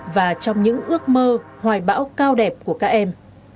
và trong những ước mơ hoài bão cao đẹp của các em